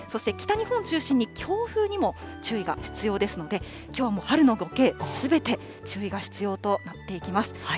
そして北日本を中心に、強風にも注意が必要ですので、きょうはもう春の５Ｋ、すべて注意が必要となっていきます。